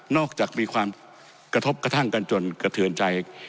จากมีความกระทบกระทั่งกันจนกระเทือนใจ